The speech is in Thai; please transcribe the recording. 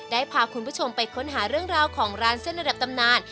ได้พาคุณผู้ชมไปค้นหาเรื่องราวของร้านเส้นระดับตำนาน